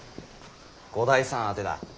五代さん宛てだ。